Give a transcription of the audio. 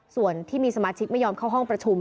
ส่วนที่มีสมาชิกไม่ยอมเข้าห้องประชุม